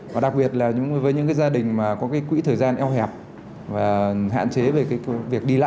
và đặc biệt là với những cái gia đình mà có cái quỹ thời gian eo hẹp và hạn chế về cái việc đi lại